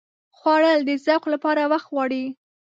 خوړل د ذوق لپاره وخت غواړي